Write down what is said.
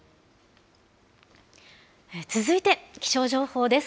続いて気象情報です。